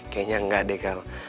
kayanya enggak deh kal